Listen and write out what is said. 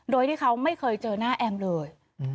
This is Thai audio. โดยที่เขาไม่เคยเจอหน้าแอมเลย